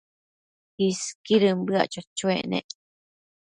Isquidën bëac cho-choec nec